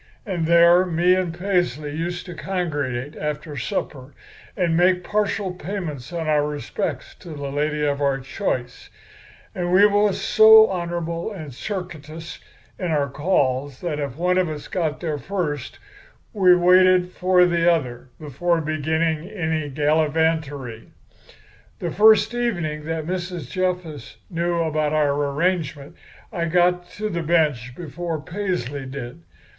And there me and Paisley used to congregate after supper and make partial payments on our respects to the lady of our choice. And we was so honorable and circuitous in our calls that if one of us got there first we waited for the other before beginning any gallivantery. "The first evening that Mrs. Jessup knew about our arrangement I got to the bench before Paisley did.